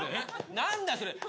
何だそれ。